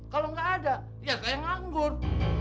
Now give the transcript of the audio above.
kalau enggak ada ya saya nganggur